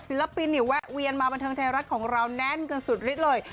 ศิลปินแวะเวียนมาบรรเทิงไทยรัฐของเราแน่นกันสุดลิดเลย